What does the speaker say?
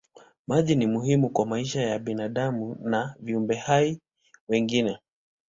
Maji ni muhimu kwa maisha ya binadamu na viumbe hai wengine.